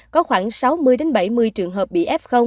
có khoảng sáu mươi bảy mươi trường hợp